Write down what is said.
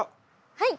はい！